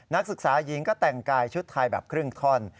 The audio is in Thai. นักศึกษาหญิงก็แต่งกายชุดไทยแบบครึ่งท่อน